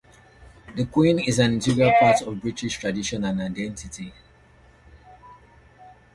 The queen is an integral part of British tradition and identity.